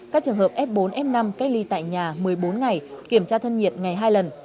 các trường hợp f bốn f năm cách ly tại nhà một mươi bốn ngày kiểm tra thân nhiệt ngày hai lần